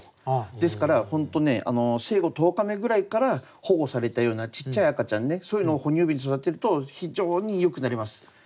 ですから本当ね生後１０日目ぐらいから保護されたようなちっちゃい赤ちゃんねそういうのを哺乳瓶で育てると非常によく慣れます。